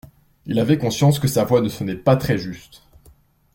Il avait conscience que sa voix ne sonnait pas très juste.